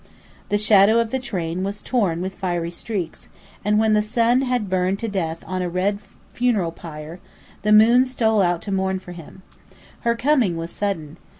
The shadow of the train was torn with fiery streaks: and when the sun had burned to death on a red funeral pyre, the moon stole out to mourn for him. Her coming was sudden.